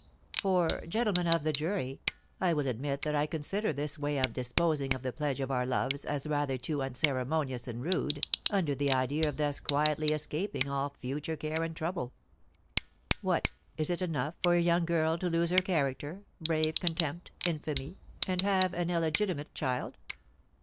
For, gentlemen of the jury, I will admit that I consider this way of disposing of the pledge of our loves as rather too unceremonious and rude, under the idea of thus quietly escaping all future care and trouble. What, is it enough for a young girl to lose her character, brave contempt, infamy, and have an illegitimate child?